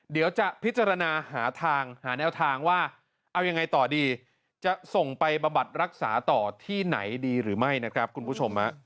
เดี๋ยวจะพิจารณาหาทางหาแนวทางว่าเอายังไงต่อดีจะส่งไปบำบัดรักษาต่อที่ไหนดีหรือไม่นะครับคุณผู้ชม